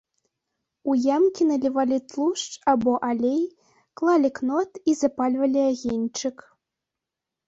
У ямкі налівалі тлушч або алей, клалі кнот і запальвалі агеньчык.